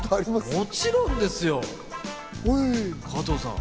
もちろんですよ加藤さん。